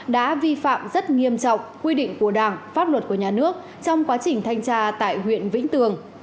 đã vi phạm rất nghiêm trọng quy định của đảng pháp luật của nhà nước trong quá trình thanh tra tại huyện vĩnh tường